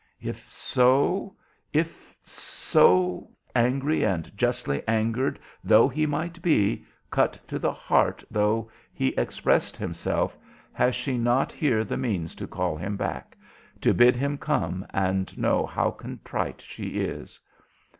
If so, if so, angry and justly angered though he might be, cut to the heart though he expressed himself, has she not here the means to call him back? to bid him come and know how contrite she is?